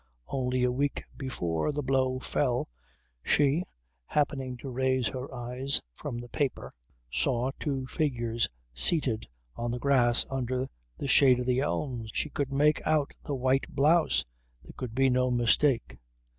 Only a week before the blow fell she, happening to raise her eyes from the paper, saw two figures seated on the grass under the shade of the elms. She could make out the white blouse. There could be no mistake.